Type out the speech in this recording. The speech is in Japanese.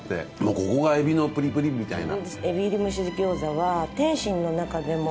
ここが海老のプリプリみたいな。